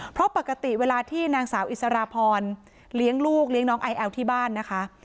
เพราะปกติเวลาที่นางสาวอิสราพรเลี้ยงลูกเลี้ยงน้องไอแอลที่บ้านนะคะ